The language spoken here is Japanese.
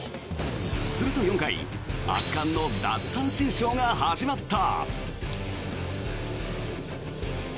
すると４回圧巻の奪三振ショーが始まった。